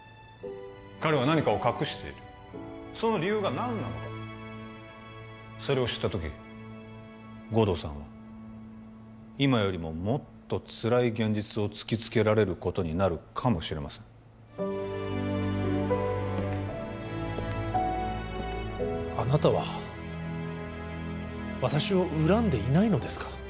彼は何かを隠しているその理由が何なのかそれを知った時護道さんは今よりももっとつらい現実を突きつけられることになるかもしれませんあなたは私を恨んでいないのですか？